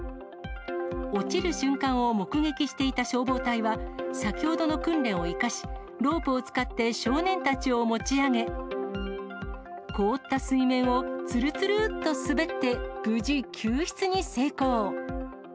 落ちる瞬間を目撃していた消防隊は、先ほどの訓練を生かし、ロープを使って少年たちを持ち上げ、凍った水面をつるつるっと滑って、無事救出に成功。